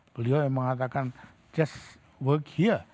beliau yang mengatakan just work iya